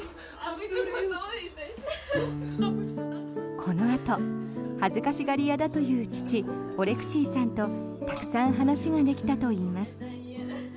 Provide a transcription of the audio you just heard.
このあと恥ずかしがり屋だという父・オレクシーさんとたくさん話ができたといいます。